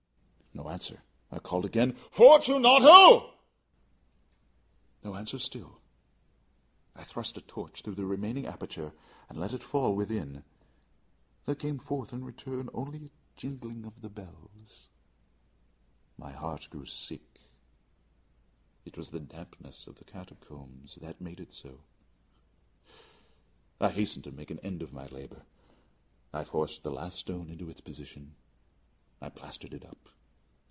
No answer. I called again "Fortunato " No answer still. I thrust a torch through the remaining aperture and let it fall within. There came forth in reply only a jingling of the bells. My heart grew sick on account of the dampness of the catacombs. I hastened to make an end of my labour. I forced the last stone into its position; I plastered it up.